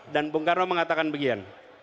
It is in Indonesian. dan bung karno mengatakan begini